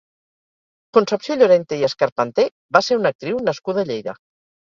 Concepció Llorente i Escarpanté va ser una actriu nascuda a Lleida.